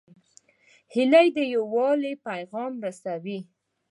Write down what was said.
هیلۍ د یووالي پیغام رسوي